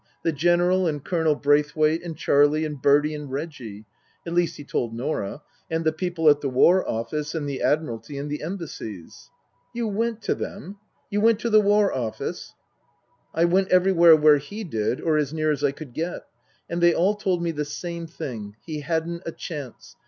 The General and Colonel Braithwaite and Charlie, and Bertie, and Reggie at least he told Norah and the people at the War Office and the Admiraltv and the Embassies." " You went to them ? You went to the War Office ?"" I went everywhere where he did, or as near as I could get. And they all told me the same thing he hadn't a chance.